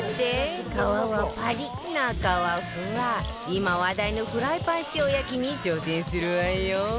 今話題のフライパン塩焼きに挑戦するわよ